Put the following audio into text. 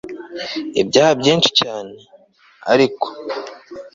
ibyaha byinshi cyane; ariko